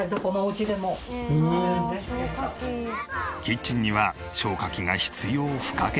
キッチンには消火器が必要不可欠。